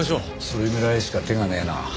それぐらいしか手がねえな。